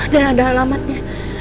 dan ada alamatnya